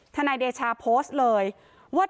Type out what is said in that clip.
นายเดชาโพสต์เลยว่า